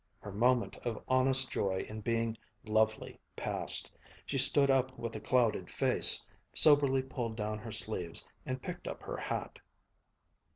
Her moment of honest joy in being lovely passed. She stood up with a clouded face, soberly pulled down her sleeves, and picked up her hat.